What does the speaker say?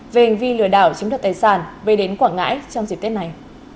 về hành vi lừa đảo chính thức tài sản về đến quảng ngãi trong dịp tết này